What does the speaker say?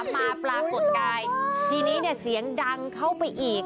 ปรากฏกายทีนี้เนี่ยเสียงดังเข้าไปอีก